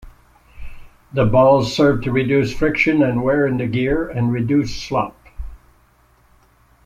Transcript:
The balls serve to reduce friction and wear in the gear, and reduce slop.